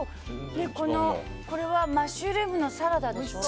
これはマッシュルームのサラダでしょ。